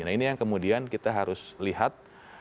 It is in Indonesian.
nah ini yang kemudian kita harus lihat